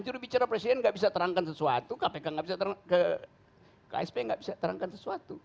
jurubicara presiden enggak bisa terangkan sesuatu kpk enggak bisa terangkan sesuatu